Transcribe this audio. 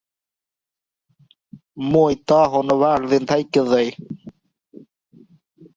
আমি তখনো ভার্জিন থেকে যাই।